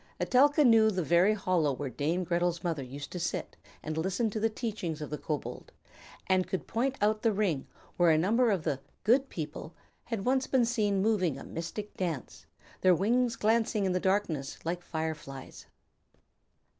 Etelka knew the very hollow where Dame Gretel's mother used to sit and listen to the teachings of the kobold, and could point out the ring where a number of the "good people" had once been seen moving a mystic dance, their wings glancing in the darkness like fire flies.